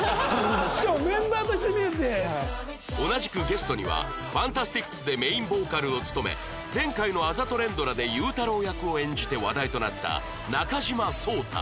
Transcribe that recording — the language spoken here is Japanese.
同じくゲストには ＦＡＮＴＡＳＴＩＣＳ でメインボーカルを務め前回のあざと連ドラで祐太郎役を演じて話題となった中島颯太